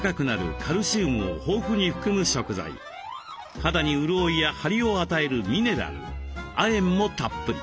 肌に潤いや張りを与えるミネラル亜鉛もたっぷり。